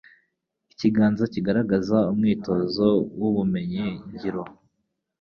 Ikiganza kigaragaza umwitozo w'ubumenyi ngiro